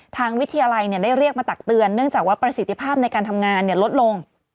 ทางวิทยาลัยได้เรียกมาตักเตือนเนื่องจากว่าประสิทธิภาพในการทำงานลดลง